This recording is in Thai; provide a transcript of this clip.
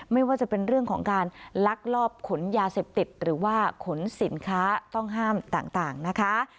ไม่ว่าจะเป็นเรื่องของการลักลอบขนยาเสพติดหรือว่าขนสินค้าต้องห้ามต่างนะคะ